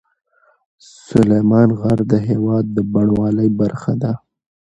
سلیمان غر د هېواد د بڼوالۍ برخه ده.